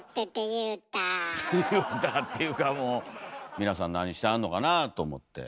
言うたっていうかもう皆さん何してはんのかなぁと思って。